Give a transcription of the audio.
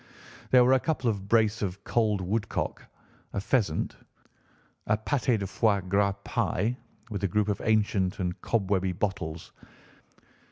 There were a couple of brace of cold woodcock, a pheasant, a pâté de foie gras pie with a group of ancient and cobwebby bottles.